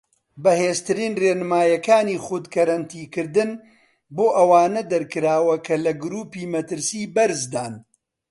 بەهێزترین ڕێنماییەکانی خود کەرەنتین کردن بۆ ئەوانە دەرکراوە کە لە گروپی مەترسی بەرزدان.